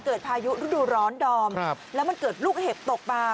พายุฤดูร้อนดอมแล้วมันเกิดลูกเห็บตกมา